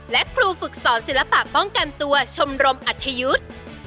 และครูฝึกสอนศิลปะป้องกันตัวชมรมอัธยุทธ์